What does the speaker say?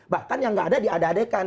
bahkan yang nggak ada diadadekan